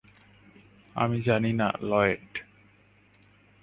আমি জানি না, লয়েড।